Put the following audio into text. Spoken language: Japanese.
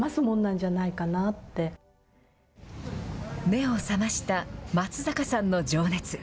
目を覚ました松坂さんの情熱。